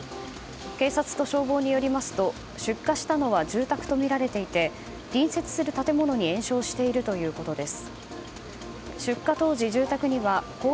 警察と消防によりますと出火したのは住宅とみられていて隣接する建物に延焼しているということです。